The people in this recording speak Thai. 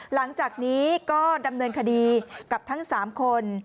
หลังจากนี้ก็ดำเนินคดีกับทั้ง๓คน